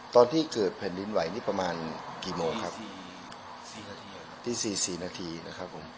ตอนที่เกิดแผ่นดินไหวนี่ประมาณกี่โมงครับสี่นาทีตีสี่สี่นาทีนะครับผม